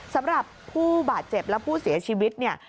สำหรับผู้บาดเจ็บและผู้เสียชีวิตเนี่ย